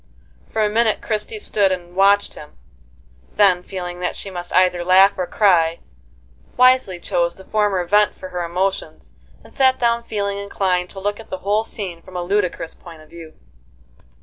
For a minute Christie stood and watched him, then, feeling that she must either laugh or cry, wisely chose the former vent for her emotions, and sat down feeling inclined to look at the whole scene from a ludicrous point of view.